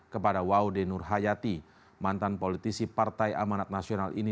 kepada waudenur hayati mantan politisi partai amanat nasional ini